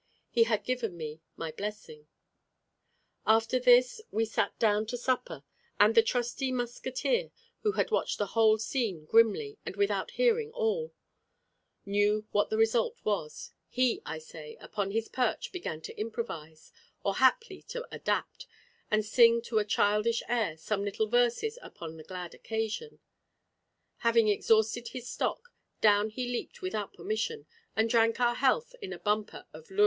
He had given me my blessing. After this we sat down to supper, and the trusty musketeer, who had watched the whole scene grimly, and without hearing all, knew what the result was, he, I say, upon his perch began to improvise, or haply to adapt, and sing to a childish air, some little verses upon the glad occasion. Having exhausted his stock, down he leaped without permission, and drank our health in a bumper of Luri wine.